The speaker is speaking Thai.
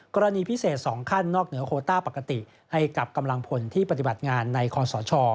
กรณีพิเศษ๒ขั้นนอกเหนือโคต้าปกติให้กับกำลังพลที่ปฏิบัติงานในคอสช